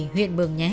huyện mường nhé